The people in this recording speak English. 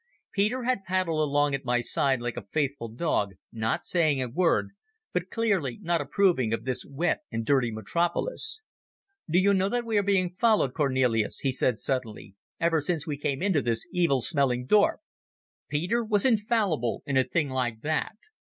Peter had paddled along at my side like a faithful dog, not saying a word, but clearly not approving of this wet and dirty metropolis. "Do you know that we are being followed, Cornelis?" he said suddenly, "ever since we came into this evil smelling dorp." Peter was infallible in a thing like that.